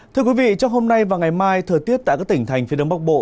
thưa quý vị trong hôm nay và ngày mai thời tiết tại các tỉnh thành phía đông bắc bộ